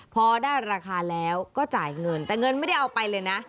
พอได้ราคาแล้วก็จ่ายเงินแต่เงินไม่ได้เอาไปเลยนะ